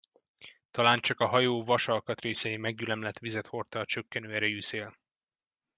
Talán csak a hajó vas alkatrészein meggyülemlett vizet hordta a csökkenő erejű szél.